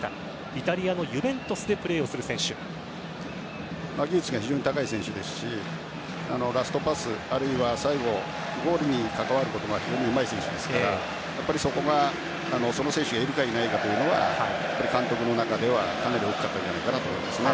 イタリアのユヴェントスで技術が非常に高い選手ですしラストパス、あるいは最後ゴールに関わることが非常にうまい選手ですからその選手がいるかいないかというのは監督の中では大きかったと思います。